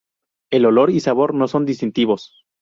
El olor y sabor no son distintivos.